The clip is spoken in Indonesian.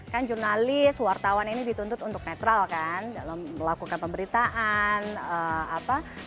kan jurnalis wartawan ini dituntut untuk netral kan dalam melakukan pemberitaan sehari harinya gimana